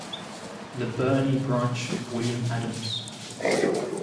The Burnie branch of William Adams.